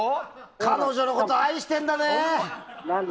彼女のこと愛しているんだね！